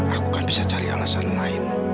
aku kan bisa cari alasan lain